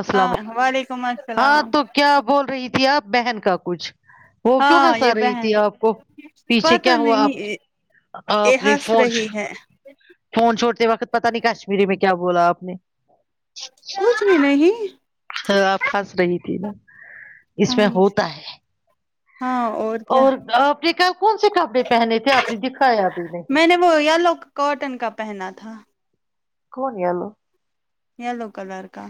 السلام ہاں وعلیکم علیکم ہاں السلام تو کیا بول رہی تھی آپ بہن کا کچھ وہ کیوں ہاں یہ ہنسا رہی بہن تھی آپ کو پیچھے پتا کیا ہوا نہیں آپ یہ آپ نے ہنس فون رہی ہے فون چھوڑتے وقت پتا نہیں کشمیری میں کیا کیا بولا آپ نے کچھ بھی نہیں ہ آپ پھنس رہی تھی نا اس ہاں میں ہوتا ہے ہاں کیا اور آپ نے کہھر کون سے کپڑے پہنے تھے آپ نے دکھایا بھی نہیں ک تھا کون گلو یلو کلر کا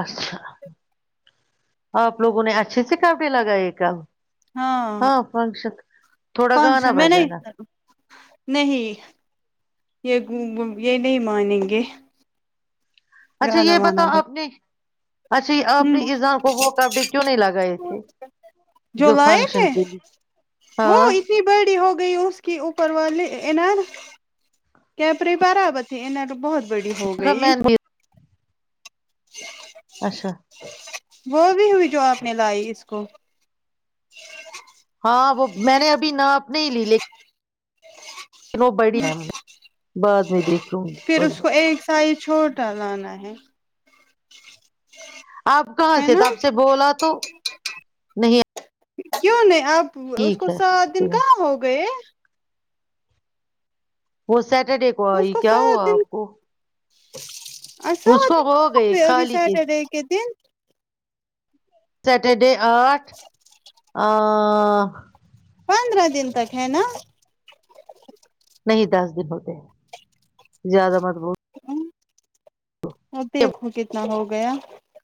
اچھا آپ لوگوں نے اچھے سے کاپڑے لگائے کب ہاں تھوڑا گانا فنکشن میں نہیں بجانا کروں نہیں یہ یہ نہیں مانیں گے اچھا گانا یہ وانا بتاؤ ب آپ نے اچھا یہ آپ ہوں نے اذان کو وہ کپڑے کیوں نہیں لگائے تھے جو لائے فنکشن تھے کے لیے ہاں گ اس کی اوپر والے انینار کیپری برابر ت ا تو بہت بڑی ہو گئی میں نے اچھا وہ بھی ہوئی جو آپ نے لائی اس کو ہاں وہ میں نے ابھی نہ اپنے ہی لی لیکن لیکن وہ بڑی بعد میں دیکھ گی بڑی ب چ لان ہے آپ کہاں ہے سے نا تپ سے بولا تو نہیں کیوں نہیں آپ اس ٹھیک کو ہے سات دن کہاں ہو گئے وہ سیٹرڈے کو آئی کیا ہوا آپ کو آسا اس ہو د کو تو گئے ا خالی کے سٹرڈے ک دن سٹرڈے آٹھ پندرہ دن تک ہے نا نہیں دس دن ہوتے زیادہ متب ہ ا دیکھو کتنا ہو گیا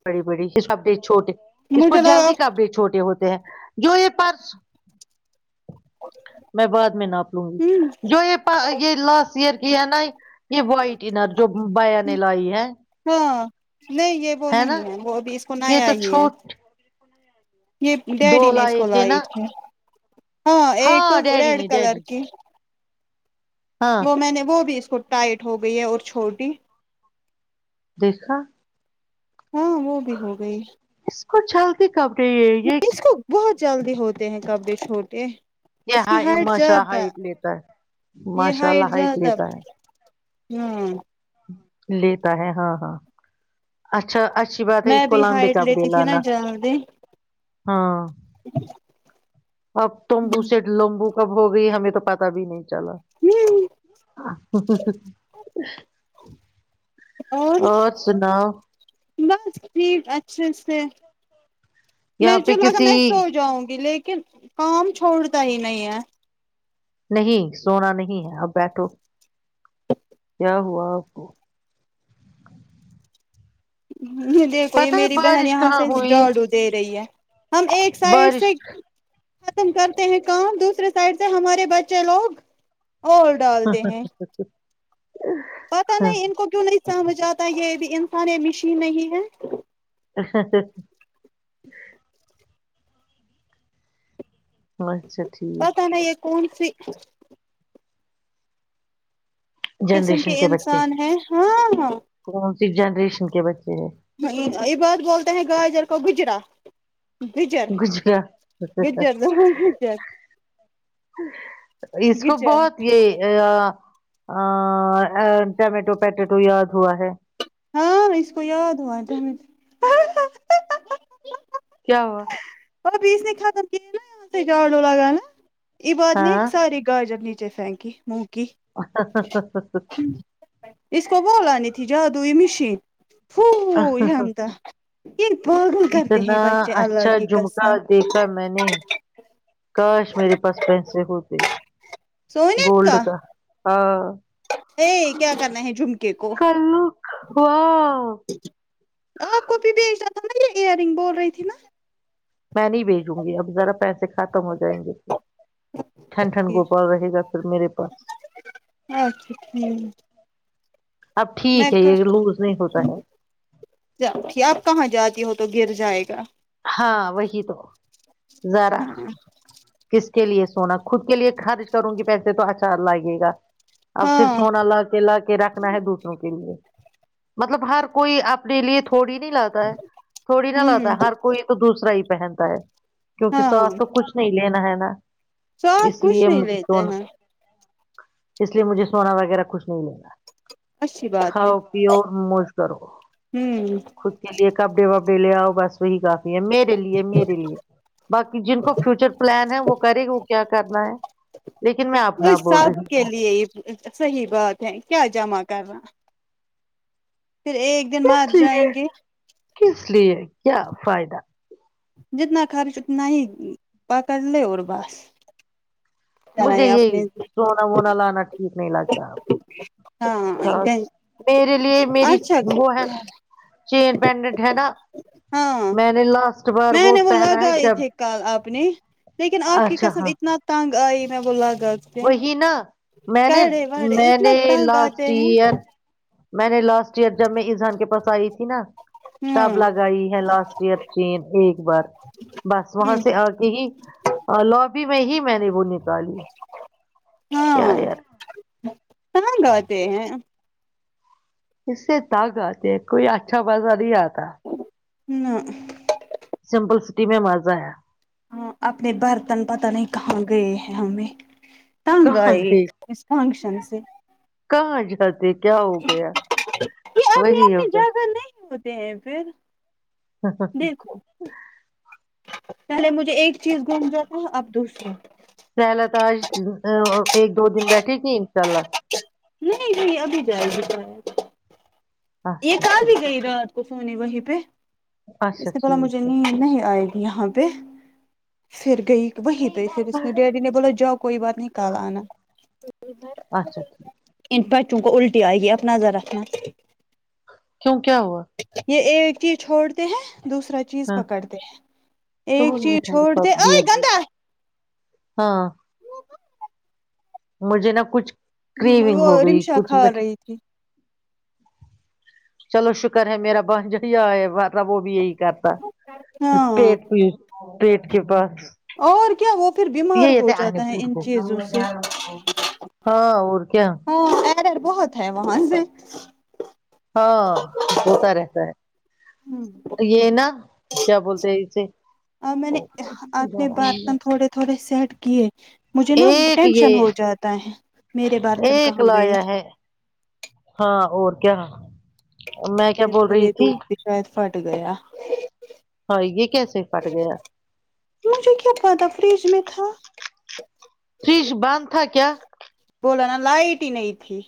بڑی بڑی یہ سب چھوٹے اس کو مجھے لگا جلدی کب بھی چھوٹے ہوتے ہیں جو یہ پرس میں بعد میں ناپ لوں گی ہ جو یہ یہ لاسٹ ر کی ہے نا یہ وائٹ انر جو بیا نے لائی ہے ہاں نہیں یہ وہ نہیں ہے وہ ابھی اس کو نہ یہ تو آئی ہے چھوٹ یہ ڈیڈی دو نے اس لائے کو تھے لائی نا تھی ہاں ایک ڈیڈی ریڈ نے کلر ڈیڈی کی ہاں وہ میں نے وہ بھی ٹائٹ ہو گئی ہے اور چھوٹی دیکھا ہاں وہ بھی ہو گئی اس کو چلتی کبڑے یہ اس کو بہت جلدی ہوتے ہیں کبڑے چھوٹے یہ اس ہ کی یہ ہائٹ ماشا زیادہ ہائٹ لیتا ہے ماشاء اللہ ہائٹ لیتا ہے ہوں لیتا ہے ہاں ہاں اچھا اچھی بات ہے میں اس کو بھی لمبے ہائٹ کاپ دے لیتی تھی نا لانا جلدی ہاں اب تمبو سے لمبو کب ہو گئی ہمیں تو پتا بھی نہیں چلا ہوں اور سناؤ بس ٹھیک اچھے سے یہاں میں پہ جو لگا میں کسی سو جاؤں گی لیکن کن عام تھوڑتا ہی نہیں ہے نہیں سونا نہیں ہے اپ بیٹھو کیا ہوا آپ کو ج نہیں دیکھو یہ پتہ ہے میری بہن بارش یہاں کہاں سے ہوئی ہے جاڑو دے رہی ہے ہم ایک سائڈ بارش سے ختم کرتے ہیں کام دوسرے سائڈ سے ہمارے بچے لوگ اور ہاں ڈالتے ہ ہیں پتا نہیں ان کو کیوں نہیں مجھاتا ہے یہ انسان یہ مشین نہیں ہے ا [unintelligible] اچھا ٹھیک پتا نہیں یہ [unintelligible] کون سی [unintelligible] قسم جنریشن کے بچے انسان ہیں ہاں ہاں کون جنریشن کے بچے ہیں نہیں یہ بات بولتے ہیں گاجر گ گجرات گج گ گجر گجر اس کو گجر بہت یہ ا ٹمیٹو پیٹیٹو یاد ہوا ہے ہاں اش کو د ہو کیا ہوا [unintelligible] پس نہیں ختم گاڈ لگان نا ع باد نہیں ہاں سار گاجر نیچ جچ فنکی ہ [inaudible] اس کو بولانی تھی جادوئی مشین پو اہ، ج تھاہ ایک پاگل کرتے ہیں اتنا بچے الگ اچھا جمکا دیکھا میں نے کاش میرے پاس پیسے ہوتے [unintelligible] سونے گولڈ کا ہاں ا کیا کرنا ہے جھمک کلوک وا آپ کو بھیھی بھیجنا تھا نا یہ ایئر رنگ بول رہی تھی نا میں نہیں بییک وں گی اب ذرا پیسے ختم ہو جائیں گے پھر ٹھنڈ ٹھن یہ گوپال رہے گا پھر میرے پاس اچھا ٹھیک اب میں ٹھیک ہے یہ لوز نہیں ہوتا ہے آپ کہاں جاتی ہو تو تو گر جائے گا ہاں وہی تو ذرا ہاں کس کے لیے سونا خود کے لیے خرچ کروں گی پیسے تو اچھا لگے گا اب پھر ہاں سونا لا کے لا کے رکھنا ہے دوسروں کے لیے مطلب ہر کوئی اپنے لیے تو تھوڑی نہیں لاتا ہے تھوڑی نہا لاتا ہوں ہے ہر تو دوسرا ہی پہنتا ہے کیونکہ سر تو کچھ نہیں لینا ہے ہاں سوات کچھ نہیں لیتے ہیں اس لیے مجھے سونا وغیرہ کچھ نہیں لینا اچھی بات ہے مش کرو ہوں خود کے لیے کپ ڈے بب د ل آؤ بس صحیح یہ میریر لی یہ مییر لی باقی جن کو فیوچر پلان ہے وہ کرے گا وہ کیا کرنا ہے لیکن میں وہ اپنا بول سب رہی کے ہوں لیے صحیح بات ہے کیا جمع کرنا پھر ایک دن کس مار لیے جائیں گے کس لیے کیا فائدہ جتنا خرچ اتنا ہی پکڑ لے اور بس مجھے چلائے یہی اپنے سونا وونا لانا ٹھیک نہیں لگتا آب ہاں خ م لیے میری اچھا وہ ہے چین پینڈنٹ ہے نا ہاں میں نے لاسٹ بار میں نے وہ پہنا ہے لگائے جب تھھی کال اپپنی لیکن آپ کی اچھا قسم ہاں اتنا تنگ ا ہی میں بولا وہی نا میں نے وڑے میں اتنا نے تنگ لاسٹ آتے ہیں ایئر میں نے لاسٹ ایئر جب میں اذان کے پاس آئی تھی نا ہاں سب لگائی ہے لاسٹ ایئر چین ایک بار بس وہاں ہ سے آ کے ہی لوبی میں ہی میں نے وہ نکالی کیا ہاں یار کہاں گے ہیں اس سے دگ آتے کوئی اچھا مزہ نہیں آتا ہوں سمپل سٹی میں مزہ ہے ہاں اپنے برتن پتا نہیں کہاں گئے ہم بھی تنگ کہاں آئے گئی اس فنکشن سے کہاں ج حالی یہ اپنے اپنے جا ہوگا کر نہیں ہوتے ہیں پھر دیکھو پہلے مجھے ایک چیز گھوم جاتا اب دوسری سہلا ت آج ایک دو دن بیٹھے گی انشاء اللہ نہیں نہیں ابھی جائے بتایا یہ اچھا کال بھی ٹھیک گئی رہاات کو فونی وہیں پہ اس اچھا سے بلا مجھے ٹھیک ہے ن نہیں آئے گی یہاں پہ پھر گئی وہی ڈیڈی ب ج کوئی ب نہیں کال آ اچھا ٹھیک چون کو الٹی آئے گی اپناظر رکھنا کیوں کیا ہوا یہ یہ ج چھوڑ کہ ہیں دوسرا چیز ہاں پکڑ دے تو ایک چیز مٹھائی چھوڑ د پاپ بھی ہے۔ گندا ہاں مجھے نہ کچھ کریونگ وہ ہو گئی رمشا کچھ کھا مٹھائی رہی تھی چلو شکر ہے میرا بس ج ہے مطلب وہ بھی یہی کرتا ہاں پیٹ پیٹ پیٹ کے پاس اور کیا وہ پھر بیمار یہ ہو تھ آنی جاتا ہے پور ان کو چیزوں سے ہاں اور کیا ہاں بہت ہے وہاں سے ہاں ہوتا رہتا ہے یہ نا کیا بولتے ہیں اسے اور میں نے اپنے برتن تھوڑے تھوڑے سیٹ کہ مجھے نا ایک ٹینشن یہ ہو جاتا ہے میرے برتن ایک کہاں گئے لایا کیااں میں کیا بول رہی تھی فٹ گیا ہاں یہ کیسے پھٹ گیا مجھے کیا پتا فریج میں تھا فریج باندھ تھا کیا بولا نا لائٹ ہی نہیں تھی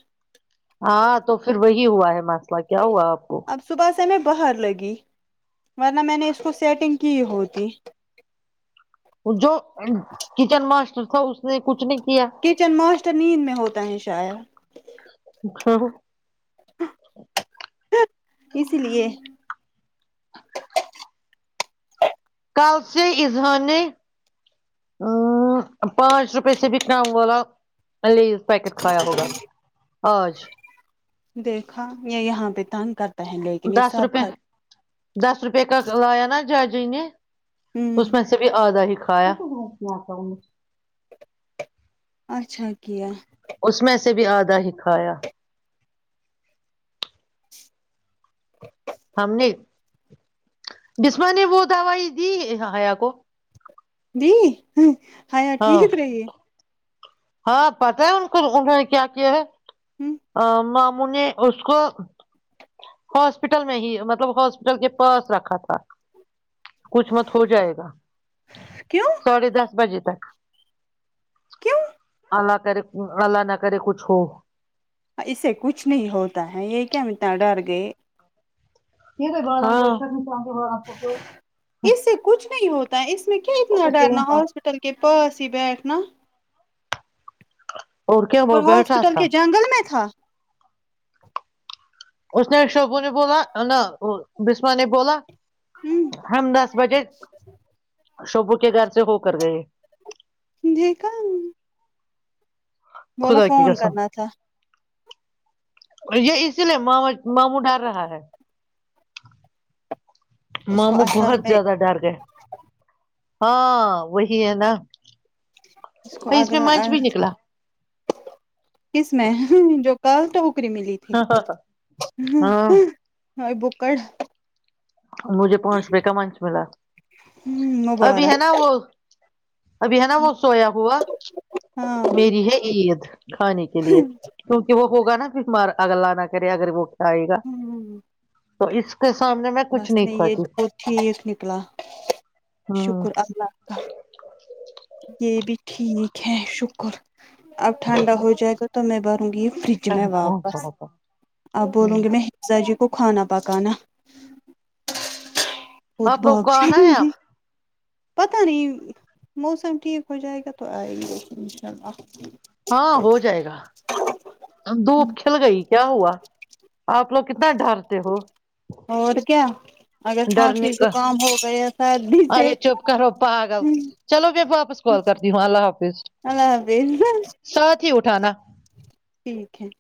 ہاں تو پھر وہی ہوا ہے م کیا ہوا آپ کو اب صبح میں باہر لگی ورنہ میں نے اس کو سیٹنگ کی ہوتی جو کچن م اس نے کچھ نہیں کچن ماسٹر نیند میں ہوتا ہے چاائے اچ ہ اس لیے کل سے اظہا نے ا پانچ روپے سے بھی کم والا لیز پیکٹ کھایا ہوگا آج دیکھا یا یہاں پہ تان کرتا پہن لیکن یہ دس سب روپے ک دس روپئے کا لایا نا جاجی نے ہوں اس میں سے بھی آدھا ہی کھ کایا اچھاک اس سے بھی آدھا ہی کھایا [inaudible] ہم نے بسما نے وہ دوائی دی حیا کو ج ہاں ٹھیک رہیے ہاں پتا ہے ان کو انہوں نے کیا کیا ہے ہے آ م نے اس کو ہاسپٹل میں ہی مطلب ہاسپٹل کے پاس رکھا تھا کچھ مت ہو جائے گا کیوں ساڑھے دس بجے تک کیوں اللہ کر اللہ نہ کر کچھ ہو اسے کچھ نہیں ہوتا ہے یہ کیا م نر کےے یہ کو ب ج آپ تس اس میں کیا اتنا ڈرنا ہاسپٹل کے پاس بیھ نا کیا اور وہ بیٹھا ہاسپٹل تھا کے جنگل میں تھا اس نے شوبو نے بولا نا بسما نے بولا ہوں ہم دس بجے شبو کے گھر سے ہو کر گئے دے کا بولو فون کرنا تھا اور یہ اسی لیے ماما ماموں ڈر رہا ہے اس کو ماموں بہت اصل میں زیادہ ڈر گئے ہاں وہی ہے نا اس کو میں آگرگرہ منچ بھی نکلا کس میں جو کل تو ری ملی تھی ہاں اور بکر مجھے پانچ روپئے کا منچ ملا ابھی ہے مبارک نا وہ ابھی ہے نا وہ سویا ہوا ہاں میری ہے عید کھانے کے لیے کیونکہ وہ ہوگا کمار اگگرلہ آ نہ کرے اگر وہ آائے گا تو اس کے سامنے میں کچھ بس نہیں نے یہ کھاتی بت ٹھیک نکلا ہوں شکر اللہ کااں یہ بھی ٹھیک ہے شکر اب ٹھنڈا ہو جائے گا تو میں بھروں گی یہ فریج میں بہت واپس سارا تھا اب بولوں ہوں گی میں حہ ک خانا پکانا وہ تو آپ لوگ کو بپش آنا ہووں ہے آپ گی پتا نہیں ج [inaudible] موسم ٹھیک ہو جائے گا تو آئے گا ان شاء اللہ ہاں ہو جائے گا ہم دھوپ کھل گئی کیا ہوا آپ لوگ کدنا ڈر تھ ہو اور کیا اگر ڈرنے کھانسی کا زکام ہو گیا سردی سے ارے چپ کرو پاگل چلو میں واپس کال کرتی ہوں اللہ حافظ ہ اب نا [inaudible] ٹھیک ہے